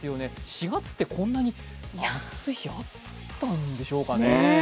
４月ってこんなに暑い日、あったんでしょうかね。